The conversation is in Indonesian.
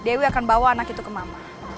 dewi akan bawa anak itu ke mama